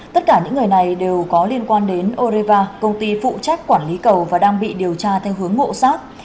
tất cả những người này đều có liên quan đến oreva công ty phụ trách quản lý cầu và đang bị điều tra theo hướng ngộ sát